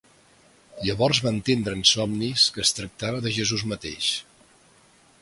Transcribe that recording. Llavors va entendre en somnis que es tractava de Jesús mateix.